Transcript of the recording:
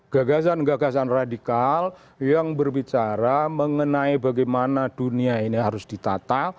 gagasan gagasan radikal yang berbicara mengenai bagaimana dunia ini harus ditata